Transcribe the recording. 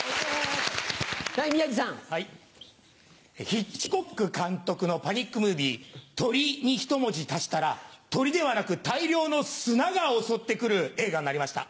ヒッチコック監督のパニックムービー『鳥』にひと文字足したら鳥ではなく大量の砂が襲って来る映画になりました。